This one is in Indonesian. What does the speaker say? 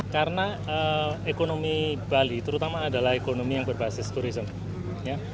karena ekonomi bali terutama adalah ekonomi yang berbasis turisme